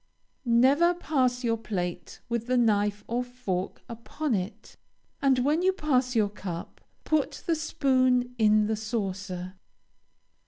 Never pass your plate with the knife or fork upon it, and when you pass your cup, put the spoon in the saucer.